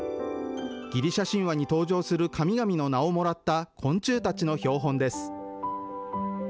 ギリシャ神話に登場する神々の名をもらった昆虫たちの標本です。